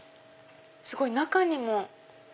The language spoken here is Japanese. すごい中にも。